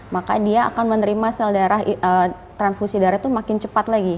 maka dia akan menerima sel darah transfusi darah itu makin cepat lagi